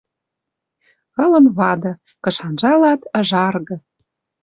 Ылын вады. Кыш анжалат — ыжаргы.